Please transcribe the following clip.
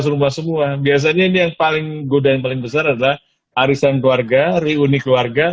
rumah semua biasanya ini yang paling goda yang paling besar adalah arisan keluarga reuni keluarga